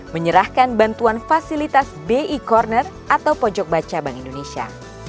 menyerahkan bantuan fasilitas bi corner atau pojok baca bank indonesia